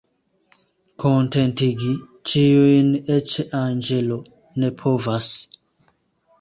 Kontentigi ĉiujn eĉ anĝelo ne povas.